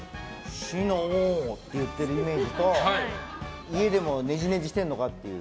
志乃って言ってるイメージと家でもねじねじしてるのかっていう。